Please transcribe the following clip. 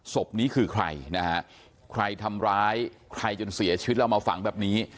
ศพนี้คือใครนะฮะใครทำร้ายใครจนเสียชีวิตแล้วมาฝังแบบนี้